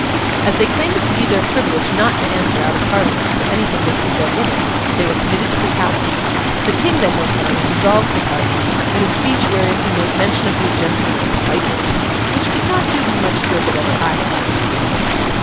As they claimed it to be their privilege not to answer out of Parliament for anything they had said in it, they were committed to the Tower. The King then went down and dissolved the Parliament, in a speech wherein he made mention of these gentlemen as 'Vipers'—which did not do him much good that ever I have heard of.